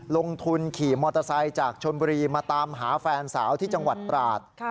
ลงทุนขี่มอเตอร์ไซค์จากชนบุรีมาตามหาแฟนสาวที่จังหวัดตราด